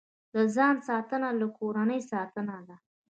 له ځان ساتنه، له کورنۍ ساتنه ده.